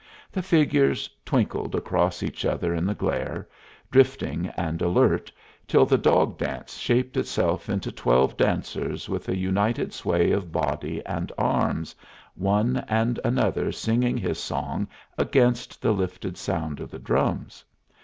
The figures twinkled across each other in the glare, drifting and alert, till the dog dance shaped itself into twelve dancers with a united sway of body and arms, one and another singing his song against the lifted sound of the drums.